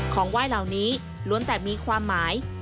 ของไหว้เหล่านี้ล้วนแต่มีความหมาย